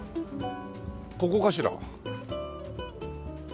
ここかしら？